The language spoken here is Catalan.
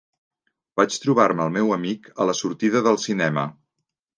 Vaig trobar-me el meu amic a la sortida del cinema.